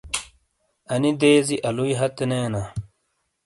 اَنی دیزی الُوئی ہَتے نے اینا۔